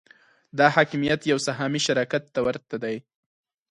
دا حاکمیت یو سهامي شرکت ته ورته دی.